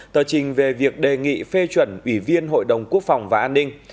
tờ trình về việc đề nghị phê chuẩn ủy viên hội đồng quốc phòng và an ninh